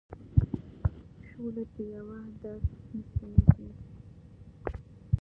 شولې په یوه در نه سپینېږي.